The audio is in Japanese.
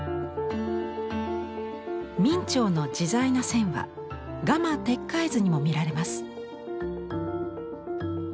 明兆の自在な線は「蝦蟇鉄拐図」にも見られます。